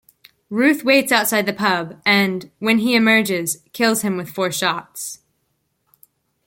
Ruth waits outside the pub and, when he emerges, kills him with four shots.